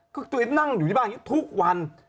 ก็ตัวเองนั่งอยู่ที่บ้านทุกวัน